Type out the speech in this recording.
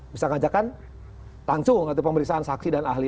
bisa ngajakkan tancung atau pemeriksaan saksi dan ahli